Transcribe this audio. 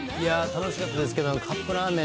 楽しかったですけど、カップラーメン